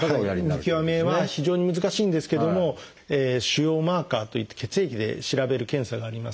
見極めは非常に難しいんですけども腫瘍マーカーといって血液で調べる検査があります。